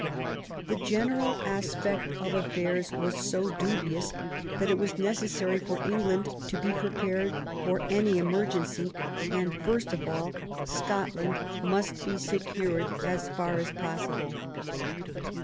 The general aspect of affairs was so dubious that it was necessary for England to be prepared for any emer gency, and first of all Scotland must be secured as far as possible.